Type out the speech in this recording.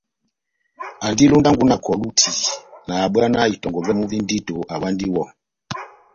Andi londango na kɔlu tian nahábwanáh itɔngɔ vɛ́mu vi ndito awandi iwɔ.